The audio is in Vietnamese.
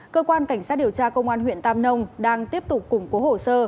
cơ quan cảnh sát điều tra công an huyện tam nông đang tiếp tục củng cố hồ sơ